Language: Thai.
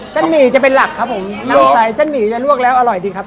หมี่จะเป็นหลักครับผมน้ำใสเส้นหมี่จะลวกแล้วอร่อยดีครับ